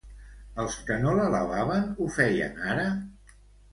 Els que no l'alabaven ho feien ara?